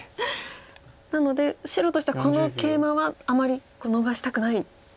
なので白としてはこのケイマはあまり逃したくない？